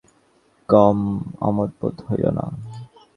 রসিকতার এই পুনরুক্তিতে কমলার কম আমোদ বোধ হইল না।